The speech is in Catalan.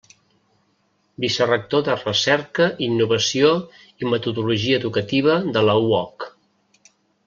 Vicerector de Recerca, Innovació i Metodologia Educativa de la UOC.